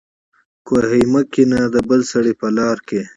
کوهي مه کينه دبل سړي په لار کي